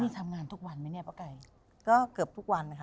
นี่ทำงานทุกวันไหมเนี่ยป้าไก่ก็เกือบทุกวันนะคะ